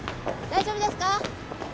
・大丈夫ですか？